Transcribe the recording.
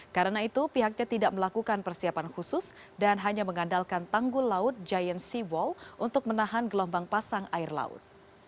karena itu pihaknya tidak melakukan persiapan khusus dan hanya mengandalkan tanggul laut giant seawall untuk menahan gelombang pasang air laut